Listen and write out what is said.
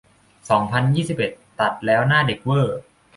สองพันยี่สิบเอ็ด ตัดแล้วหน้าเด็กเว่อร์